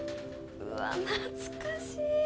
うわ懐かしい！